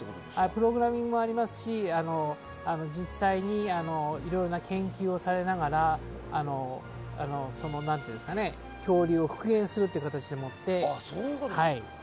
プログラミングもありますし実際に研究をされながら恐竜を復元するという形で。